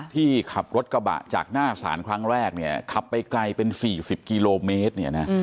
ขับรถกระบะจากหน้าศาลครั้งแรกเนี่ยขับไปไกลเป็น๔๐กิโลเมตร